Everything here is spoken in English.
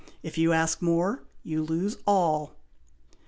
"If you ask more, you lose all."